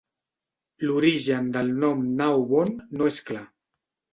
L'origen del nom Gnaw Bone no és clar.